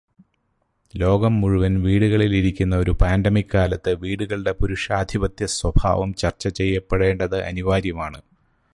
ലോകം മുഴുവൻ വീടുകളിൽ ഇരിക്കുന്ന ഒരു പാൻഡെമിൿ കാലത്ത് വീടുകളുടെ പുരുഷാധിപത്യസ്വഭാവം ചർച്ച ചെയ്യപ്പെടേണ്ടത് അനിവാര്യമാണ്.